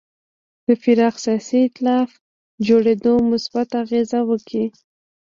د پراخ سیاسي اېتلاف جوړېدو مثبت اغېز وکړ.